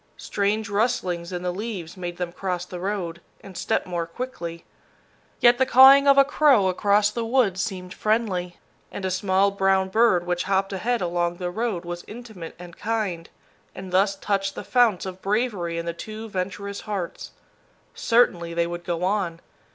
Strange rustlings in the leaves made them cross the road, and step more quickly. Yet the cawing of a crow across the woods seemed friendly, and a small brown bird which hopped ahead along the road was intimate and kind, and thus touched the founts of bravery in the two venturous hearts. Certainly they would go on.